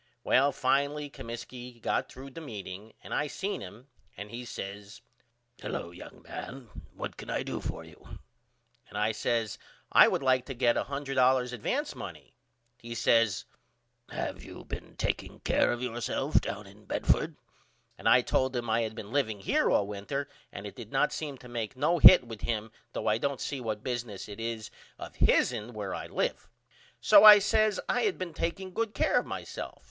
Well finally Comiskey got threw the meeting and I seen him and he says Hello young man what can I do for you? And I says I would like to get $100 advance money. He says Have you been takeing care of yourself down in Bedford? And I told him I had been liveing here all winter and it did not seem to make no hit with him though I don't see what business it is of hisn where I live. So I says I had been takeing good care of myself.